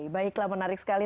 baiklah menarik sekali